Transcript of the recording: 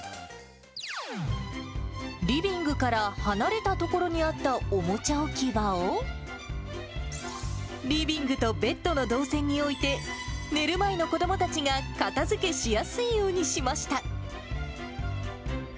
リビングから離れた所にあったおもちゃ置き場を、リビングとベッドの動線に置いて、寝る前の子どもたちが片づけしやすいようにしました。